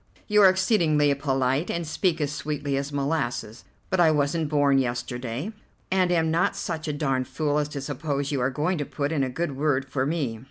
You are exceedingly polite, and speak as sweetly as molasses, but I wasn't born yesterday, and am not such a darned fool as to suppose you are going to put in a good word for me."